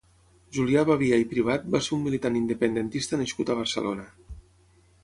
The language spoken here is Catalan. Julià Babia i Privat va ser un militant independentista nascut a Barcelona.